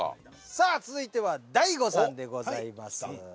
さあ続いては大悟さんでございます。